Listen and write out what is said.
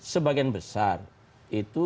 sebagian besar itu